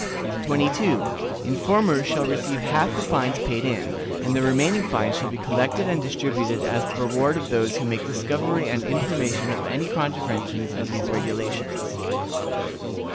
"22. Informers shall receive half the fines paid in, and the remaining fines shall be collected and distributed as the reward of those who make discovery and information of any contraventions of these regulations.